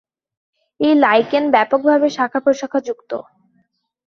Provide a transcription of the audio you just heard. এই লাইকেন ব্যাপকভাবে শাখা-প্রশাখা যুক্ত।